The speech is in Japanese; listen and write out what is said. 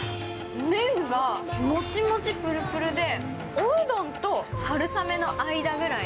麺がもちもち、ぷるぷるで、おうどんと春雨の間ぐらい。